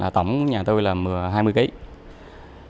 tổng nhà tôi là hai mươi kg